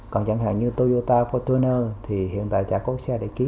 còn chẳng hạn như toyota portuner thì hiện tại chả có xe để ký